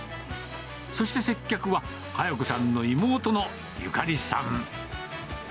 そして接客は、文子さんの妹のゆかりさん。